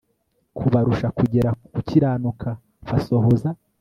kubarusha kugera ku gukiranuka basohoza